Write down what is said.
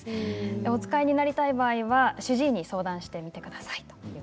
お使いになりたい場合は主治医に相談してみてください。